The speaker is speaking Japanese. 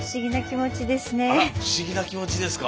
不思議な気持ちですね。